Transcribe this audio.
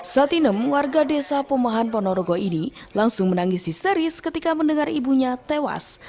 satinem warga desa pumahan ponorogo ini langsung menangis histeris ketika mendengar ibunya tewas